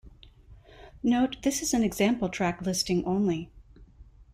Note, this is an example track listing only.